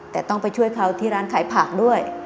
แต่ต้องไปช่วยเขาที่ร้านขายผักด้วย